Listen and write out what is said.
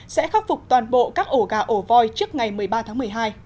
sẽ khắc phục toàn bộ các ổ gà ổ voi trước ngày một mươi ba tháng một mươi hai